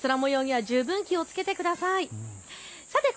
空もようには十分気をつけてください。